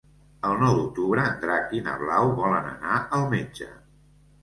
El nou d'octubre en Drac i na Blau volen anar al metge.